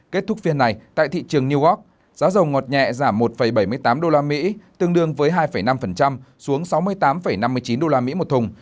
kết thúc phiên này tại thị trường new york giá dầu ngọt nhẹ giảm một bảy mươi tám usd tương đương với hai năm xuống sáu mươi tám năm mươi chín usd một thùng